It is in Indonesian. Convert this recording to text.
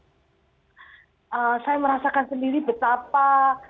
jadi saya merasakan sendiri betapa